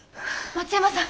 松山さん